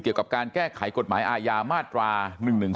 เกี่ยวกับการแก้ไขกธิก็จะฐาย